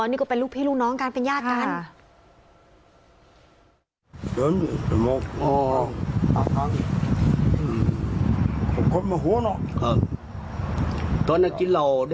นี่ก็เป็นลูกพี่ลูกน้องกันเป็นญาติกัน